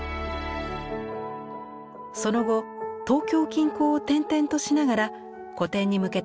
その後東京近郊を転々としながら個展に向けた制作を続けます。